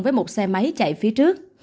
với một xe máy chạy phía trước